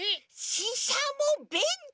ししゃもべんとう！